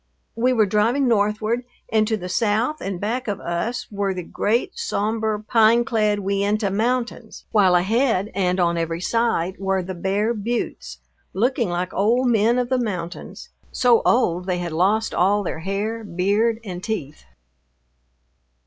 We were driving northward, and to the south and back of us were the great somber, pine clad Uintah Mountains, while ahead and on every side were the bare buttes, looking like old men of the mountains, so old they had lost all their hair, beard, and teeth.